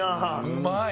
うまい！